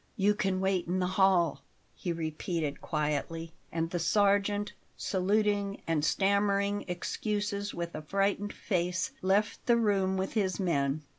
"You can wait in the hall," he repeated quietly; and the sergeant, saluting and stammering excuses with a frightened face, left the room with his men.